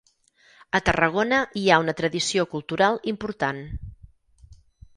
A Tarragona hi ha una tradició cultural important.